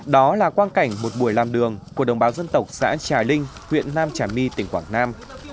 đó là quan cảnh một buổi làm đường của đồng bào dân tộc xã trà linh huyện nam trà my tỉnh quảng nam